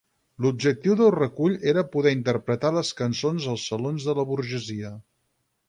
L'objectiu del recull era poder interpretar les cançons als salons de la burgesia.